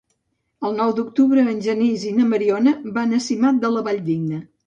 El nou d'octubre en Genís i na Mariona van a Simat de la Valldigna.